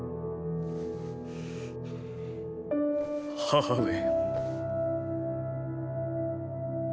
母上。